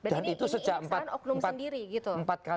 dan ini ini saran oknum sendiri gitu